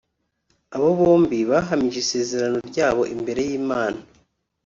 Aba bombi bahamije isezerano ryabo imbere y’Imana